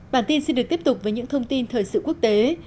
bản tin xin được tiếp tục với những thông tin thời sự quốc tế